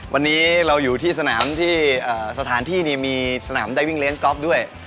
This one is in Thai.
วันนี้เราอยู่ที่สนามที่สถานที่นี่มีสนามได้วิ่งเลนสก๊อฟด้วย